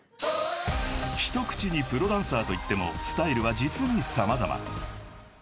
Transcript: ［一口にプロダンサーと言ってもスタイルは実に様々］